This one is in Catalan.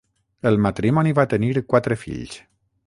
El matrimoni va tenir quatre fills.